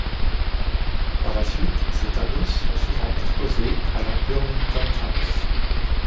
Par la suite ses tableaux sont souvent exposés à la Burlington House.